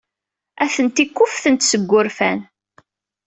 Atenti kkufftent seg wurfan.